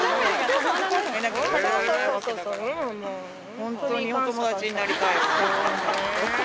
ホントにお友達になりたいわ。